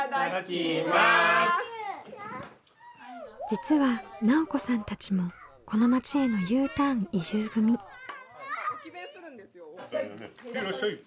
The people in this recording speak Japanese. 実は奈緒子さんたちもこの町へのＵターン移住組。へいらっしゃい！